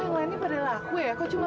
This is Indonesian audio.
mulai dari bawah seperti ini